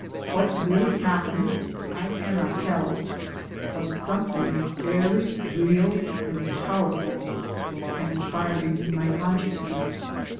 What really happened I cannot tell, but something very real and powerful was transpiring in my consciousness.